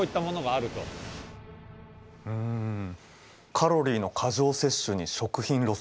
カロリーの過剰摂取に食品ロス。